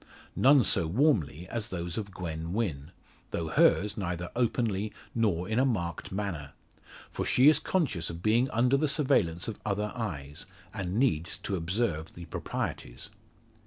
None so warmly as those of Gwen Wynn; though hers neither openly nor in a marked manner. For she is conscious of being under the surveillance of other eyes, and needs to observe the proprieties.